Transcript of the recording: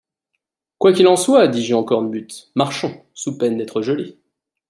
Quoi qu’il en soit, dit Jean Cornbutte, marchons, sous peine d’être gelés!